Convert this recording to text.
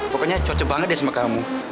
pokoknya cocok banget deh sama kamu